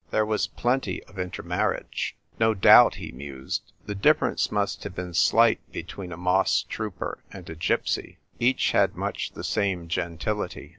There was plenty of intermarriage." " No doubt," he mused. " The difference must have been slight between a moss trooper and a gypsy. Each had much the same gentility.